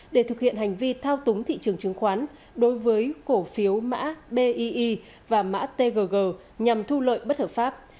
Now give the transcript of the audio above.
để thực hiện hành vi thao túng thị trường chứng khoán đối với cổ phiếu mã bi và mã tg nhằm thu lợi bất hợp pháp